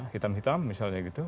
hitam hitam misalnya gitu